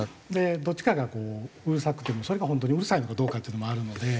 どっちかがうるさくてもそれが本当にうるさいのかどうかっていうのもあるので。